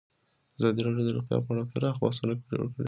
ازادي راډیو د روغتیا په اړه پراخ بحثونه جوړ کړي.